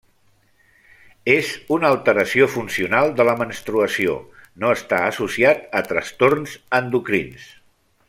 És una alteració funcional de la menstruació, no està associat a trastorns endocrins.